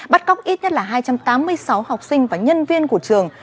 bắt cóc ít nhất là hai trăm tám mươi sáu học sinh và nhân viên của trường